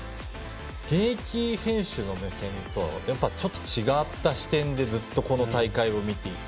現役選手の目線とは違った視線でずっとこの大会を見ていて。